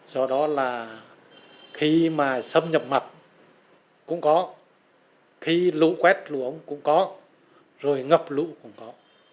do đó là khi mà xâm nhập mặn cũng có khi lũ quét lũ ống cũng có rồi ngập lũ cũng có